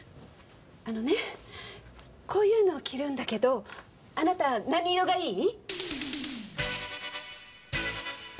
あのねこういうのを着るんだけどあなた何色がいい？